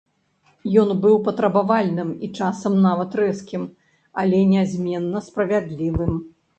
Ён быў патрабавальным і часам нават рэзкім, але нязменна справядлівым.